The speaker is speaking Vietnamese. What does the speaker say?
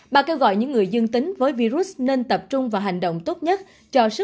bà kêu gọi những người dương tính với virus nên tập trung vào hành động